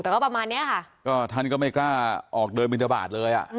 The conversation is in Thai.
แต่ก็ประมาณเนี้ยค่ะก็ท่านก็ไม่กล้าออกเดินบินทบาทเลยอ่ะ